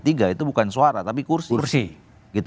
itu bukan suara tapi kursi